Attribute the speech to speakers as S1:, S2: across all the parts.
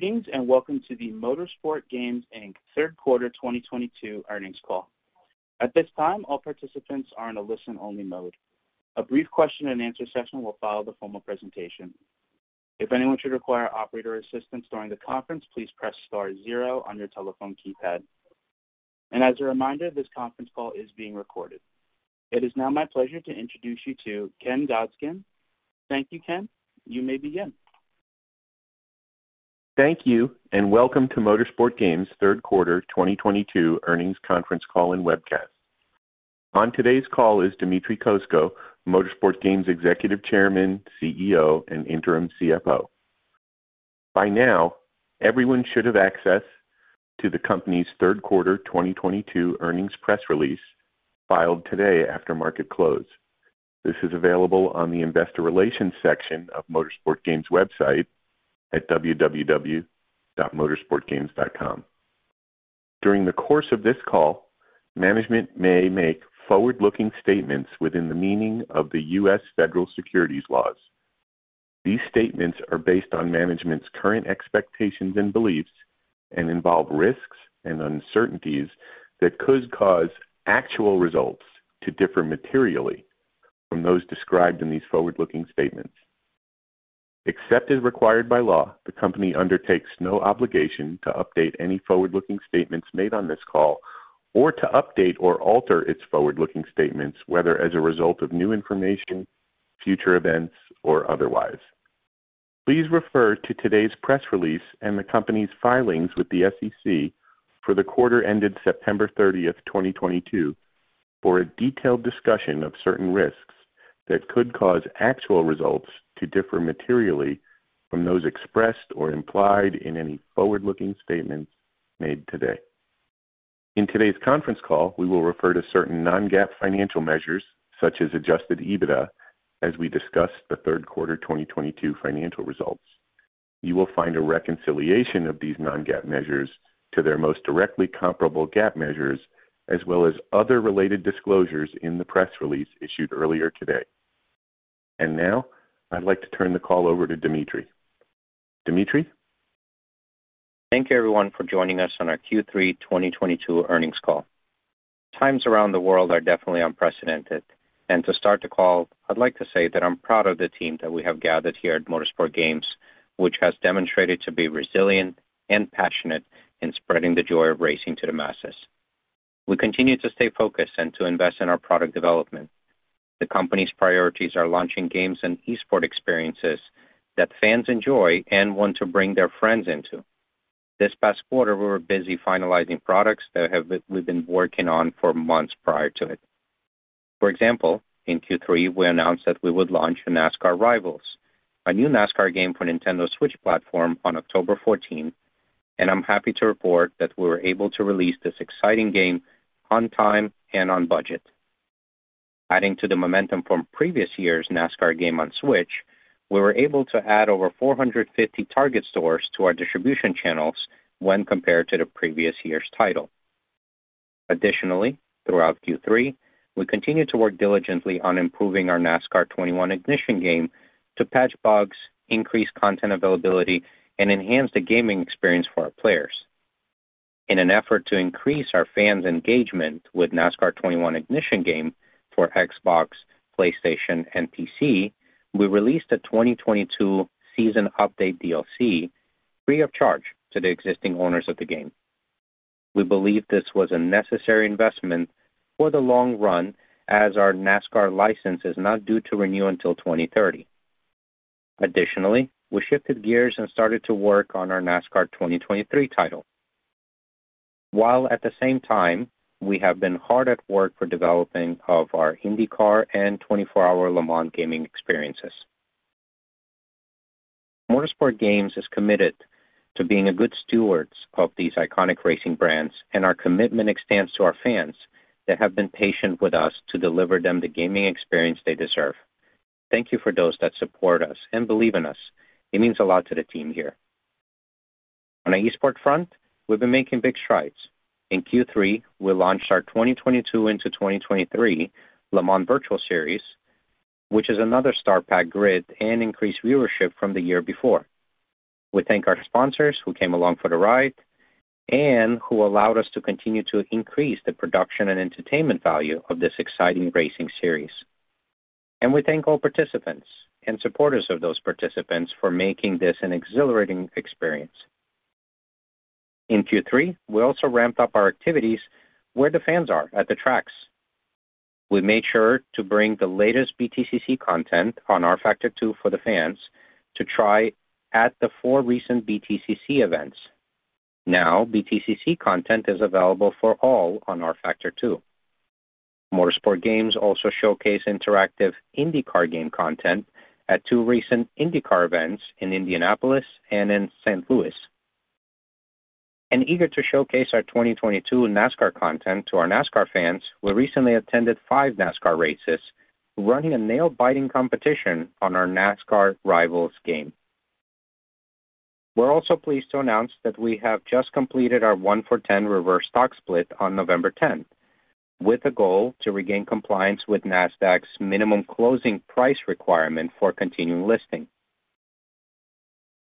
S1: Greetings, and welcome to the Motorsport Games Inc Third Quarter 2022 Earnings Call. At this time, all participants are in a listen-only mode. A brief question and answer session will follow the formal presentation. If anyone should require operator assistance during the conference, please press star zero on your telephone keypad. As a reminder, this conference call is being recorded. It is now my pleasure to introduce you to Ken Goldstein. Thank you, Ken, you may begin.
S2: Thank you. Welcome to Motorsport Games' third quarter 2022 earnings conference call and webcast. On today's call is Dmitry Kozko, Motorsport Games' Executive Chairman, CEO, and Interim CFO. By now, everyone should have access to the company's third quarter 2022 earnings press release filed today after market close. This is available on the investor relations section of Motorsport Games' website at www.motorsportgames.com. During the course of this call, management may make forward-looking statements within the meaning of the U.S. federal securities laws. These statements are based on management's current expectations and beliefs and involve risks and uncertainties that could cause actual results to differ materially from those described in these forward-looking statements. Except as required by law, the company undertakes no obligation to update any forward-looking statements made on this call or to update or alter its forward-looking statements, whether as a result of new information, future events, or otherwise. Please refer to today's press release and the company's filings with the SEC for the quarter ended September 30th, 2022, for a detailed discussion of certain risks that could cause actual results to differ materially from those expressed or implied in any forward-looking statements made today. In today's conference call, we will refer to certain non-GAAP financial measures, such as Adjusted EBITDA, as we discuss the third quarter 2022 financial results. You will find a reconciliation of these non-GAAP measures to their most directly comparable GAAP measures as well as other related disclosures in the press release issued earlier today. Now, I'd like to turn the call over to Dmitry. Dmitry?
S3: Thank you everyone for joining us on our Q3 2022 earnings call. Times around the world are definitely unprecedented. To start the call, I'd like to say that I'm proud of the team that we have gathered here at Motorsport Games, which has demonstrated to be resilient and passionate in spreading the joy of racing to the masses. We continue to stay focused and to invest in our product development. The company's priorities are launching games and esports experiences that fans enjoy and want to bring their friends into. This past quarter, we were busy finalizing products that we've been working on for months prior to it. For example, in Q3, we announced that we would launch NASCAR Rivals, a new NASCAR game for Nintendo Switch platform, on October 14. I'm happy to report that we were able to release this exciting game on time and on budget. Adding to the momentum from previous year's NASCAR game on Switch, we were able to add over 450 Target stores to our distribution channels when compared to the previous year's title. Additionally, throughout Q3, we continued to work diligently on improving our NASCAR 21: Ignition game to patch bugs, increase content availability, and enhance the gaming experience for our players. In an effort to increase our fans' engagement with NASCAR 21: Ignition game for Xbox, PlayStation, and PC, we released a 2022 season update DLC free of charge to the existing owners of the game. We believe this was a necessary investment for the long run as our NASCAR license is not due to renew until 2030. Additionally, we shifted gears and started to work on our NASCAR 2023 title, while at the same time, we have been hard at work for developing of our IndyCar and 24-hour Le Mans gaming experiences. Motorsport Games is committed to being a good stewards of these iconic racing brands, and our commitment extends to our fans that have been patient with us to deliver them the gaming experience they deserve. Thank you for those that support us and believe in us. It means a lot to the team here. On the esports front, we've been making big strides. In Q3, we launched our 2022 into 2023 Le Mans Virtual Series, which is another star-packed grid and increased viewership from the year before. We thank our sponsors who came along for the ride and who allowed us to continue to increase the production and entertainment value of this exciting racing series. We thank all participants and supporters of those participants for making this an exhilarating experience. In Q3, we also ramped up our activities where the fans are at the tracks. We made sure to bring the latest BTCC content on rFactor 2 for the fans to try at the four recent BTCC events. Now, BTCC content is available for all on rFactor 2. Motorsport Games also showcase interactive IndyCar game content at two recent IndyCar events in Indianapolis and in St. Louis. Eager to showcase our 2022 NASCAR content to our NASCAR fans, we recently attended five NASCAR races, running a nail-biting competition on our NASCAR Rivals game. We're also pleased to announce that we have just completed our 1-for-10 reverse stock split on November 10th with a goal to regain compliance with NASDAQ's minimum closing price requirement for continuing listing.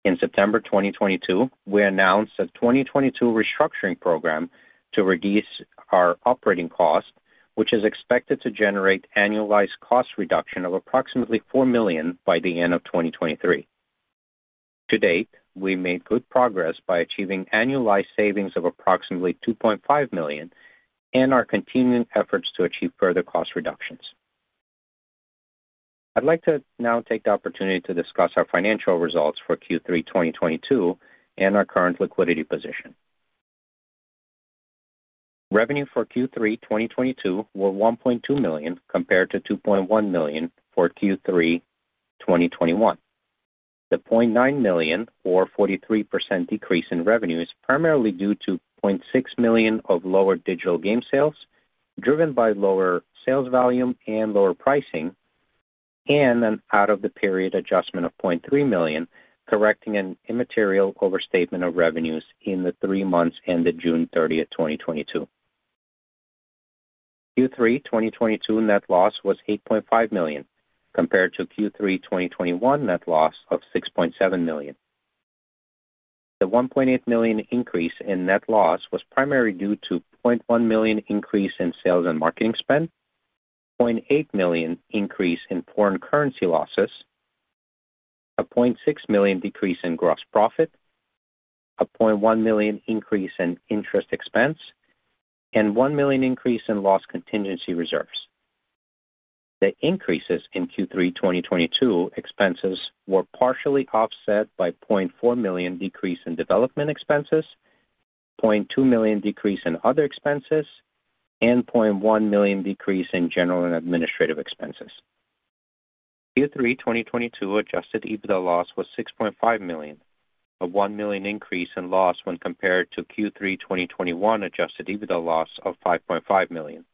S3: In September 2022, we announced a 2022 restructuring program to reduce our operating costs, which is expected to generate annualized cost reduction of approximately $4 million by the end of 2023. To date, we made good progress by achieving annualized savings of approximately $2.5 million and are continuing efforts to achieve further cost reductions. I'd like to now take the opportunity to discuss our financial results for Q3 2022 and our current liquidity position. Revenue for Q3 2022 were $1.2 million, compared to $2.1 million for Q3 2021. The $0.9 million or 43% decrease in revenue is primarily due to $0.6 million of lower digital game sales, driven by lower sales volume and lower pricing, and an out of the period adjustment of $0.3 million, correcting an immaterial overstatement of revenues in the three months ended June 30th, 2022. Q3 2022 net loss was $8.5 million, compared to Q3 2021 net loss of $6.7 million. The $1.8 million increase in net loss was primarily due to $0.1 million increase in sales and marketing spend, $0.8 million increase in foreign currency losses, a $0.6 million decrease in gross profit, a $0.1 million increase in interest expense, and $1 million increase in loss contingency reserves. The increases in Q3 2022 expenses were partially offset by $0.4 million decrease in development expenses, $0.2 million decrease in other expenses, and $0.1 million decrease in general and administrative expenses. Q3 2022 Adjusted EBITDA loss was $6.5 million, a $1 million increase in loss when compared to Q3 2021 Adjusted EBITDA loss of $5.5 million.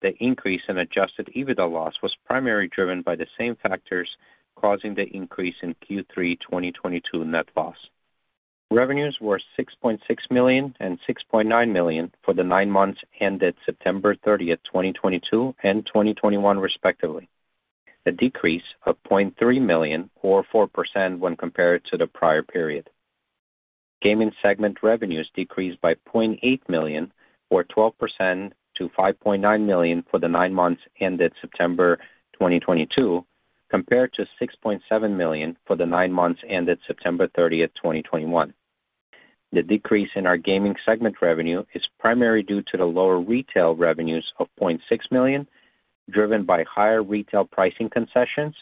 S3: The increase in Adjusted EBITDA loss was primarily driven by the same factors, causing the increase in Q3 2022 net loss. Revenues were $6.6 million and $6.9 million for the nine months ended September 30th, 2022 and 2021 respectively, a decrease of $0.3 million or 4% when compared to the prior period. Gaming segment revenues decreased by $0.8 million or 12% to $5.9 million for the nine months ended September 2022, compared to $6.7 million for the nine months ended September 30th, 2021. The decrease in our gaming segment revenue is primarily due to the lower retail revenues of $0.6 million, driven by higher retail pricing concessions,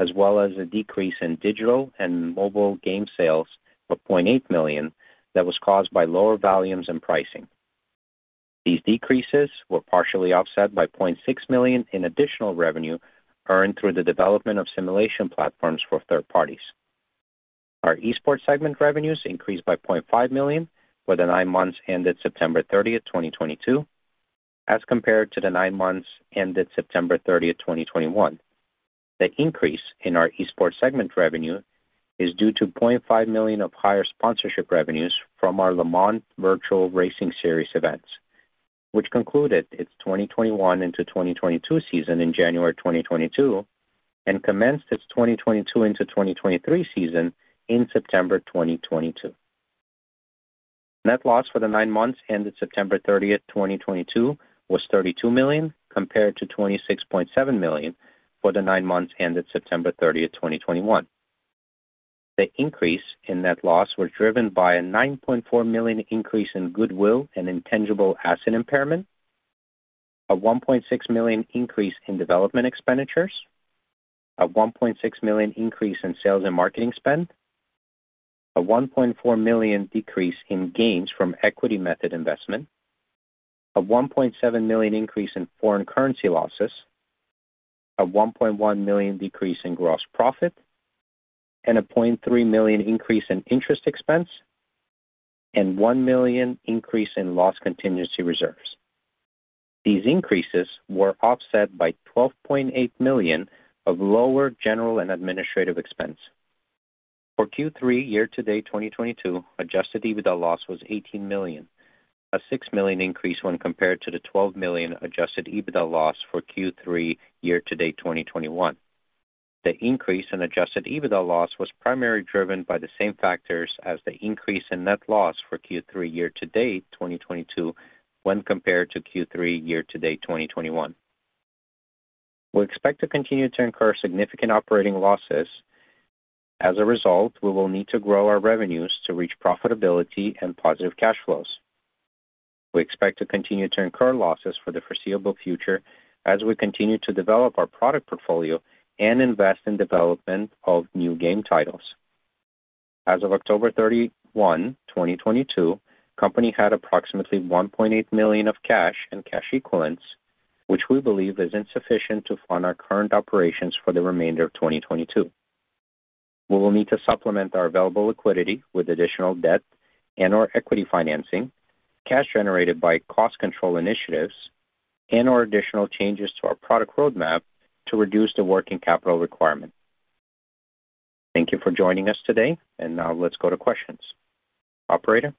S3: as well as a decrease in digital and mobile game sales of $0.8 million that was caused by lower volumes and pricing. These decreases were partially offset by $0.6 million in additional revenue earned through the development of simulation platforms for third parties. Our Esports segment revenues increased by $0.5 million for the nine months ended September 30th, 2022, as compared to the nine months ended September 30th, 2021. The increase in our esports segment revenue is due to $0.5 million of higher sponsorship revenues from our Le Mans Virtual Series events, which concluded its 2021 into 2022 season in January 2022 and commenced its 2022 into 2023 season in September 2022. Net loss for the nine months ended September 30th, 2022 was $32 million, compared to $26.7 million for the nine months ended September 30th, 2021. The increase in net loss was driven by a $9.4 million increase in goodwill and intangible asset impairment, a $1.6 million increase in development expenditures, a $1.6 million increase in sales and marketing spend, a $1.4 million decrease in gains from equity method investment, a $1.7 million increase in foreign currency losses, a $1.1 million decrease in gross profit, and a $0.3 million increase in interest expense, and $1 million increase in loss contingency reserves. These increases were offset by $12.8 million of lower general and administrative expense. For Q3 year-to-date 2022, Adjusted EBITDA loss was $18 million, a $6 million increase when compared to the $12 million Adjusted EBITDA loss for Q3 year-to-date 2021. The increase in Adjusted EBITDA loss was primarily driven by the same factors as the increase in net loss for Q3 year-to-date 2022, when compared to Q3 year-to-date 2021. We expect to continue to incur significant operating losses. As a result, we will need to grow our revenues to reach profitability and positive cash flows. We expect to continue to incur losses for the foreseeable future as we continue to develop our product portfolio and invest in development of new game titles. As of October thirty-one, 2022, company had approximately $1.8 million of cash and cash equivalents, which we believe is insufficient to fund our current operations for the remainder of 2022. We will need to supplement our available liquidity with additional debt and/or equity financing, cash generated by cost control initiatives, and/or additional changes to our product roadmap to reduce the working capital requirement. Thank you for joining us today. Now let's go to questions. Operator?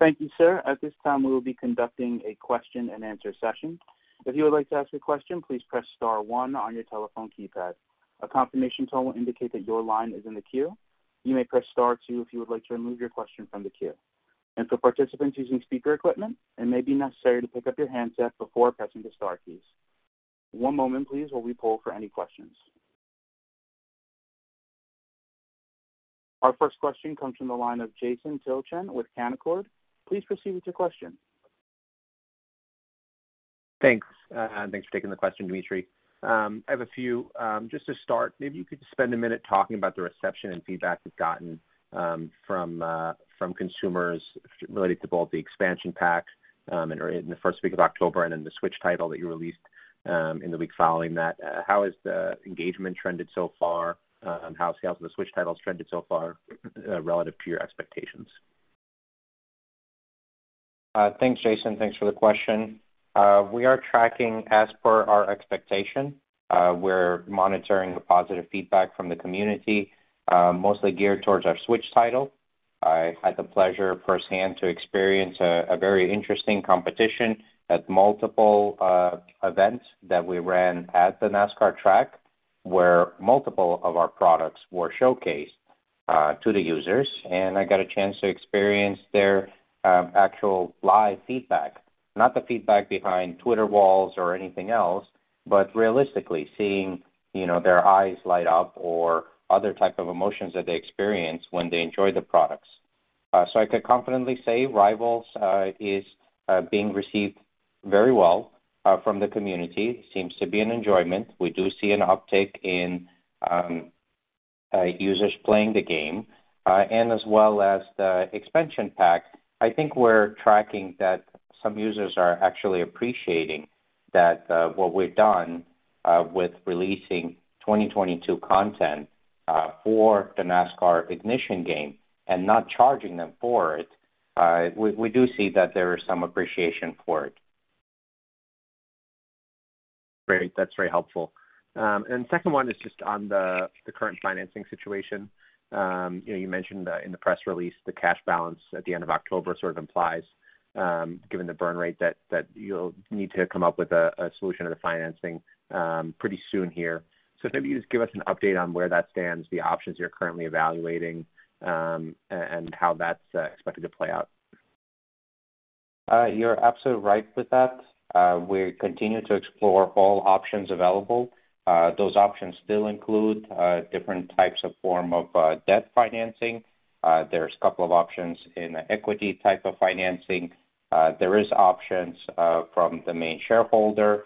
S1: Thank you, sir. At this time, we will be conducting a question-and-answer session. If you would like to ask a question, please press star one on your telephone keypad. A confirmation tone will indicate that your line is in the queue. You may press star two if you would like to remove your question from the queue. For participants using speaker equipment, it may be necessary to pick up your handset before pressing the star keys. One moment, please, while we poll for any questions. Our first question comes from the line of Jason Tilchen with Canaccord. Please proceed with your question.
S4: Thanks for taking the question, Dmitry. I have a few. Just to start, maybe you could spend a minute talking about the reception and feedback you've gotten from consumers related to both the expansion pack in the first week of October and then the Switch title that you released in the week following that. How has the engagement trended so far? How sales of the Switch titles trended so far relative to your expectations?
S3: Thanks, Jason. Thanks for the question. We are tracking as per our expectation. We're monitoring the positive feedback from the community, mostly geared towards our Switch title. I had the pleasure firsthand to experience a very interesting competition at multiple events that we ran at the NASCAR track, where multiple of our products were showcased to the users, and I got a chance to experience their actual live feedback. Not the feedback behind Twitter walls or anything else, but realistically seeing, you know, their eyes light up or other type of emotions that they experience when they enjoy the products. I could confidently say Rivals is being received very well from the community. Seems to be an enjoyment. We do see an uptick in users playing the game. As well as the expansion pack. I think we're tracking that some users are actually appreciating that what we've done with releasing 2022 content for the NASCAR Ignition game and not charging them for it. We do see that there is some appreciation for it.
S4: Great. That's very helpful. Second one is just on the current financing situation. You know, you mentioned in the press release the cash balance at the end of October sort of implies, given the burn rate, that you'll need to come up with a solution to the financing pretty soon here. Maybe just give us an update on where that stands, the options you're currently evaluating, and how that's expected to play out.
S3: You're absolutely right with that. We continue to explore all options available. Those options still include different types of form of debt financing. There's a couple of options in equity type of financing. There is options from the main shareholder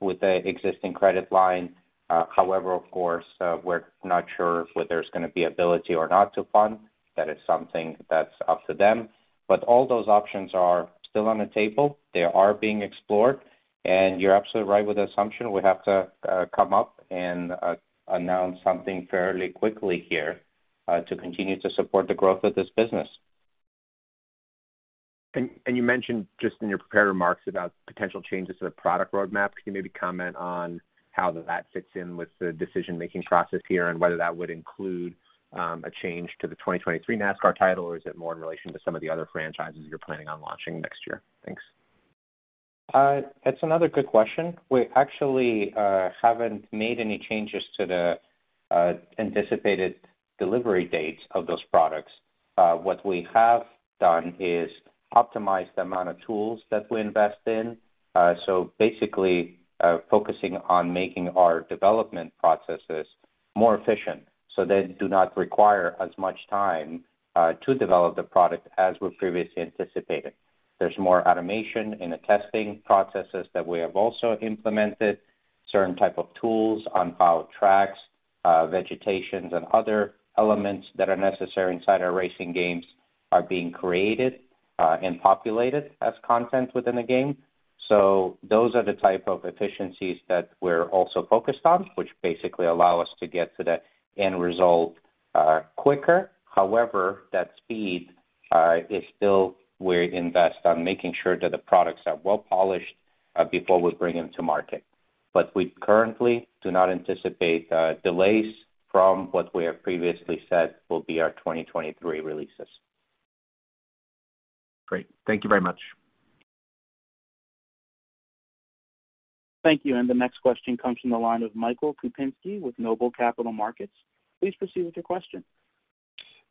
S3: with the existing credit line. However, of course, we're not sure whether there's gonna be ability or not to fund. That is something that's up to them. All those options are still on the table. They are being explored. You're absolutely right with the assumption we have to come up and announce something fairly quickly here to continue to support the growth of this business.
S4: You mentioned just in your prepared remarks about potential changes to the product roadmap. Can you maybe comment on how that fits in with the decision-making process here and whether that would include a change to the 2023 NASCAR title, or is it more in relation to some of the other franchises you're planning on launching next year? Thanks.
S3: That's another good question. We actually haven't made any changes to the anticipated delivery dates of those products. What we have done is optimize the amount of tools that we invest in, basically focusing on making our development processes more efficient so they do not require as much time to develop the product as we previously anticipated. There's more automation in the testing processes that we have also implemented, certain type of tools on how tracks, vegetations, and other elements that are necessary inside our racing games are being created and populated as content within the game. Those are the type of efficiencies that we're also focused on, which basically allow us to get to the end result quicker. However, we invest on making sure that the products are well-polished before we bring them to market. We currently do not anticipate delays from what we have previously said will be our 2023 releases.
S4: Great. Thank you very much.
S1: Thank you. The next question comes from the line of Michael Kupinski with Noble Capital Markets. Please proceed with your question.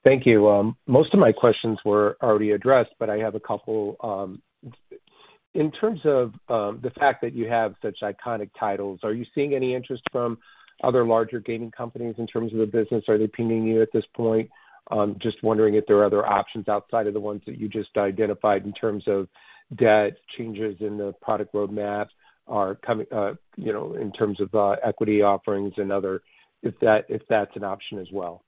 S5: Thank you. Most of my questions were already addressed, but I have a couple. In terms of the fact that you have such iconic titles, are you seeing any interest from other larger gaming companies in terms of the business? Are they pinging you at this point? Just wondering if there are other options outside of the ones that you just identified in terms of debt, changes in the product roadmap are coming, you know, in terms of equity offerings, if that's an option as well.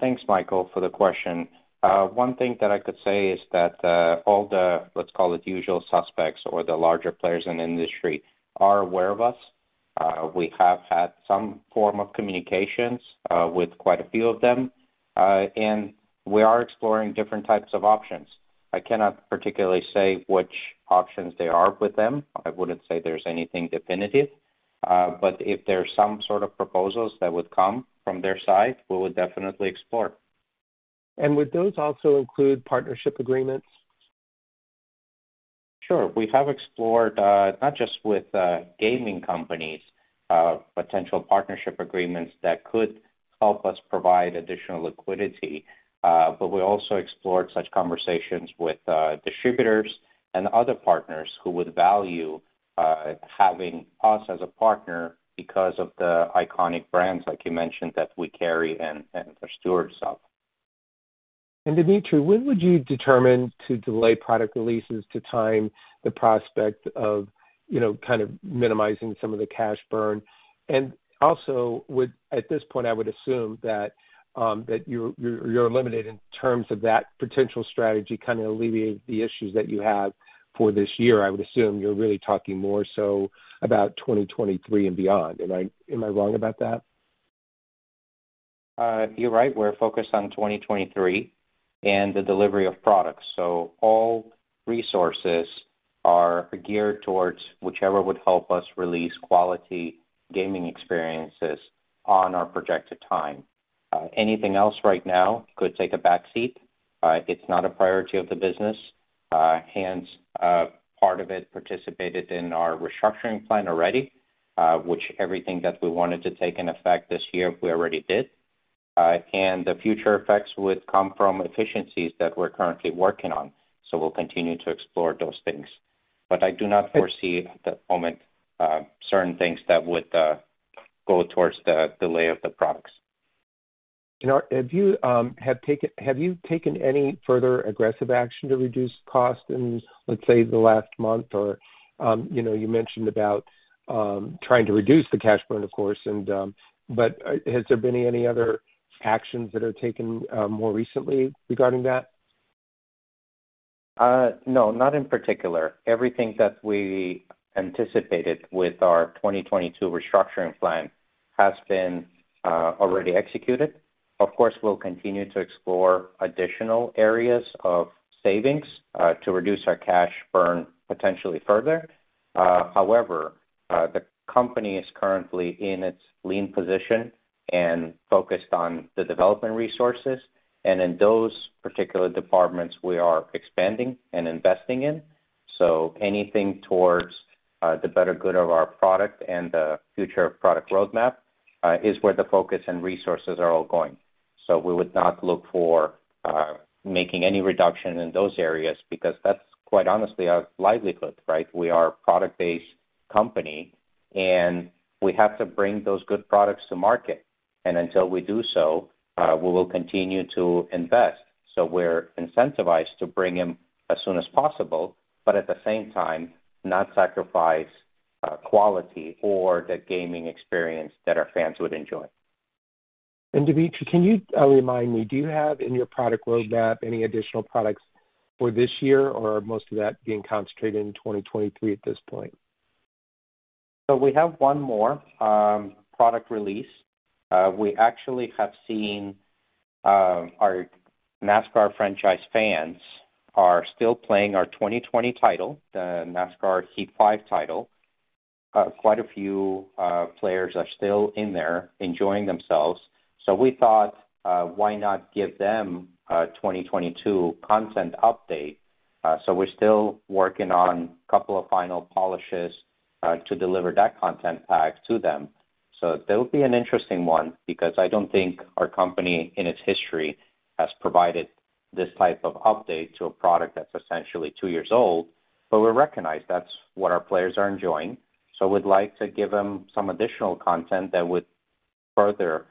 S3: Thanks, Michael, for the question. One thing that I could say is that all the, let's call it usual suspects or the larger players in the industry are aware of us. We have had some form of communications with quite a few of them. We are exploring different types of options. I cannot particularly say which options they are with them. I wouldn't say there's anything definitive. If there's some sort of proposals that would come from their side, we would definitely explore.
S5: Would those also include partnership agreements?
S3: Sure. We have explored not just with gaming companies potential partnership agreements that could help us provide additional liquidity, but we also explored such conversations with distributors and other partners who would value having us as a partner because of the iconic brands, like you mentioned, that we carry and are stewards of.
S5: Dmitry, when would you determine to delay product releases to time the prospect of, you know, kind of minimizing some of the cash burn? Also, at this point, I would assume that you're limited in terms of that potential strategy kind of alleviating the issues that you have for this year. I would assume you're really talking more so about 2023 and beyond. Am I wrong about that?
S3: You're right. We're focused on 2023 and the delivery of products. All resources are geared towards whichever would help us release quality gaming experiences on our projected time. Anything else right now could take a back seat. It's not a priority of the business. Hence, part of it participated in our restructuring plan already, which everything that we wanted to take in effect this year, we already did. The future effects would come from efficiencies that we're currently working on. We'll continue to explore those things. I do not foresee at the moment certain things that would go towards the delay of the products.
S5: You know, have you taken any further aggressive action to reduce costs in, let's say, the last month? You know, you mentioned about trying to reduce the cash burn, of course. Has there been any other actions that are taken more recently regarding that?
S3: No, not in particular. Everything that we anticipated with our 2022 restructuring plan has been already executed. Of course, we'll continue to explore additional areas of savings to reduce our cash burn potentially further. However, the company is currently in its lean position and focused on the development resources. In those particular departments, we are expanding and investing in. Anything towards the better good of our product and the future product roadmap is where the focus and resources are all going. We would not look for making any reduction in those areas because that's quite honestly our livelihood, right? We are a product-based company, and we have to bring those good products to market. Until we do so, we will continue to invest. We're incentivized to bring them as soon as possible, but at the same time, not sacrifice quality or the gaming experience that our fans would enjoy.
S5: Dmitry, can you remind me, do you have in your product roadmap any additional products for this year, or are most of that being concentrated in 2023 at this point?
S3: We have one more product release. We actually have seen our NASCAR franchise fans are still playing our 2020 title, the NASCAR Heat 5 title. Quite a few players are still in there enjoying themselves. We thought why not give them a 2022 content update? We're still working on a couple of final polishes to deliver that content pack to them. That'll be an interesting one because I don't think our company in its history has provided this type of update to a product that's essentially two years old. We recognize that's what our players are enjoying. We'd like to give them some additional content that would further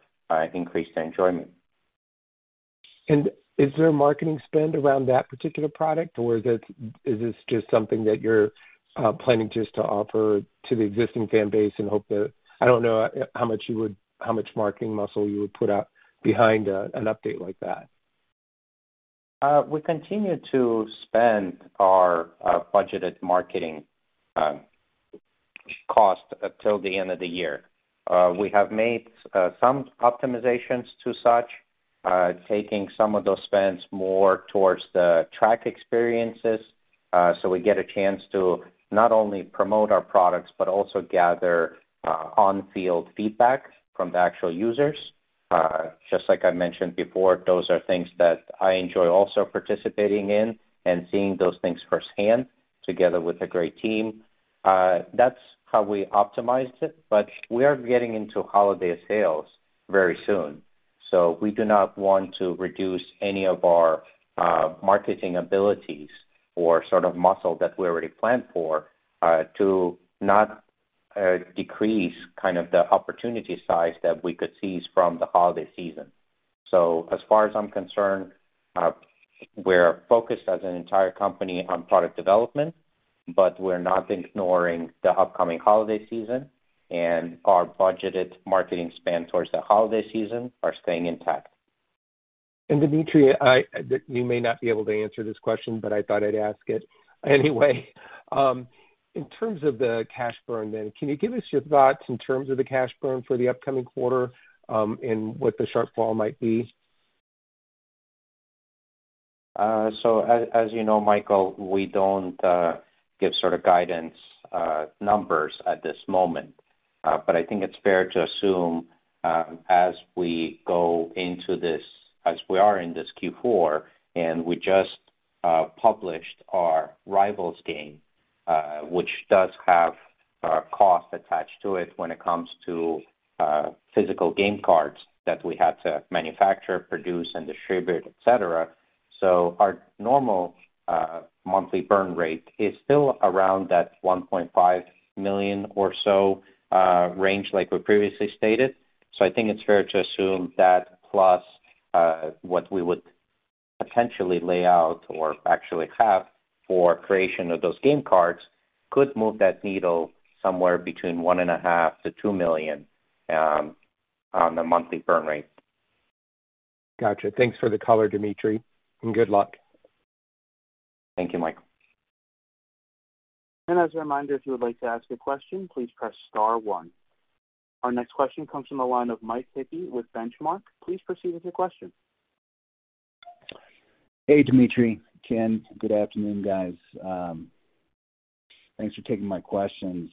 S3: increase their enjoyment.
S5: Is there a marketing spend around that particular product, or is this just something that you're planning just to offer to the existing fan base? I don't know how much marketing muscle you would put out behind an update like that.
S3: We continue to spend our budgeted marketing cost until the end of the year. We have made some optimizations to such, taking some of those spends more towards the track experiences. We get a chance to not only promote our products, but also gather on-field feedback from the actual users. Just like I mentioned before, those are things that I enjoy also participating in and seeing those things firsthand together with a great team. That's how we optimized it, but we are getting into holiday sales very soon. We do not want to reduce any of our marketing abilities or sort of muscle that we already planned for to not decrease kind of the opportunity size that we could seize from the holiday season. As far as I'm concerned, we're focused as an entire company on product development, but we're not ignoring the upcoming holiday season and our budgeted marketing spend towards the holiday season are staying intact.
S5: Dmitry, you may not be able to answer this question, but I thought I'd ask it anyway. In terms of the cash burn then, can you give us your thoughts in terms of the cash burn for the upcoming quarter and what the shortfall might be?
S3: As you know, Michael, we don't give sort of guidance numbers at this moment. I think it's fair to assume, as we are in this Q4, and we just published our Rivals game, which does have costs attached to it when it comes to physical game cards that we had to manufacture, produce, and distribute, et cetera. Our normal monthly burn rate is still around that $1.5 million or so range like we previously stated. I think it's fair to assume that plus what we would potentially lay out or actually have for creation of those game cards could move that needle somewhere between $1.5 million to $2 million on the monthly burn rate.
S5: Gotcha. Thanks for the color, Dmitry, and good luck.
S3: Thank you, Michael.
S1: As a reminder, if you would like to ask a question, please press star one. Our next question comes from the line of Mike Hickey with Benchmark. Please proceed with your question.
S6: Hey, Dmitry, Ken. Good afternoon, guys. Thanks for taking my questions.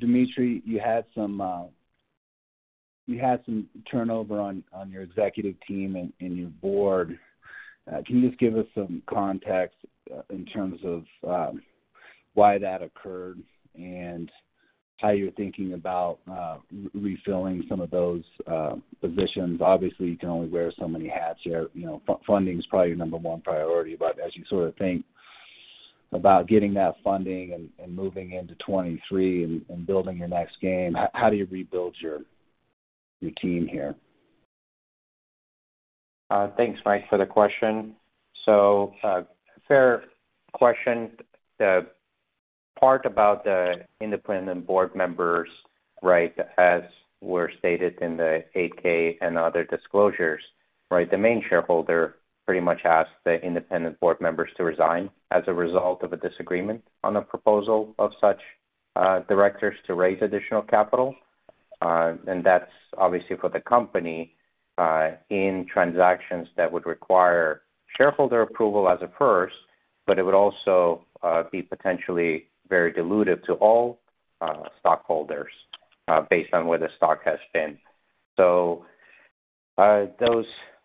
S6: Dmitry, you had some turnover on your executive team and your board. Can you just give us some context in terms of why that occurred and how you're thinking about refilling some of those positions? Obviously, you can only wear so many hats here. You know, funding is probably your number one priority. As you sort of think about getting that funding and moving into 2023 and building your next game, how do you rebuild your team here?
S3: Thanks, Mike, for the question. Fair question. The part about the independent board members, right, as were stated in the 8-K and other disclosures, right? The main shareholder pretty much asked the independent board members to resign as a result of a disagreement on a proposal of such directors to raise additional capital. That's obviously for the company in transactions that would require shareholder approval as a first, but it would also be potentially very dilutive to all stockholders based on where the stock has been. Those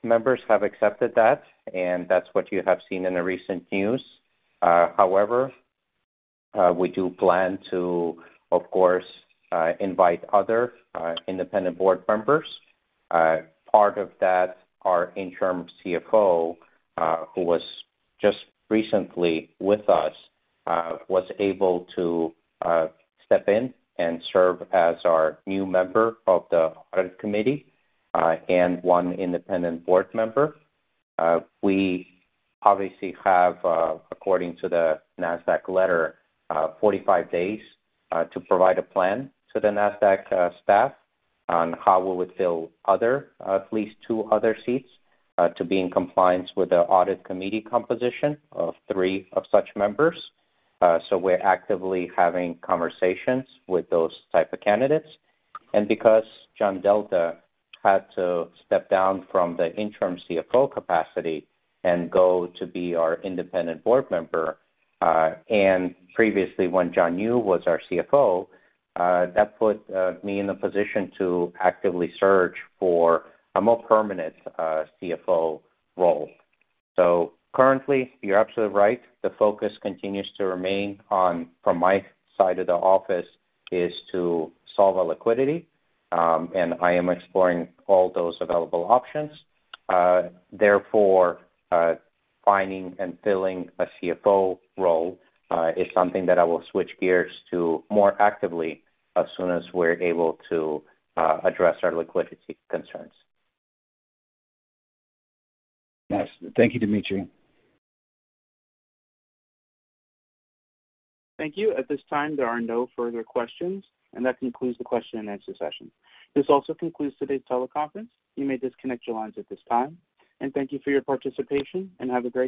S3: members have accepted that, and that's what you have seen in the recent news. However, we do plan to, of course, invite other independent board members. Part of that, our Interim CFO, who was just recently with us, was able to step in and serve as our new member of the Audit Committee and one Independent Board Member. We obviously have, according to the NASDAQ letter, 45 days to provide a plan to the NASDAQ staff on how we would fill other, at least two other seats to be in compliance with the Audit Committee composition of three of such members. We're actively having conversations with those type of candidates. Because John Delta had to step down from the Interim CFO capacity and go to be our Independent Board Member, and previously when Jonathan New was our CFO, that put me in a position to actively search for a more permanent CFO role. Currently, you're absolutely right, the focus continues to remain on, from my side of the office, is to solve a liquidity, and I am exploring all those available options. Therefore, finding and filling a CFO role is something that I will switch gears to more actively as soon as we're able to address our liquidity concerns.
S6: Yes. Thank you, Dmitry.
S1: Thank you. At this time, there are no further questions, and that concludes the question and answer session. This also concludes today's teleconference. You may disconnect your lines at this time. Thank you for your participation, and have a great day.